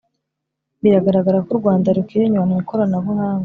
biragaragara ko u Rwanda rukiri inyuma mu ikoranabuhanga